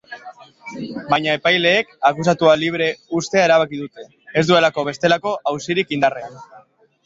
Baina epaileek akusatua libre uztea erabaki dute, ez duelako bestelako auzirik indarrean.